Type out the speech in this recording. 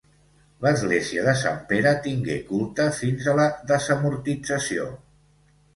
L'església de Sant Pere tingué culte fins a la desamortització.